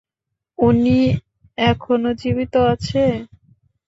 উনি এখনো জীবিত আছেন?